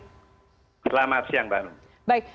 selamat siang bapak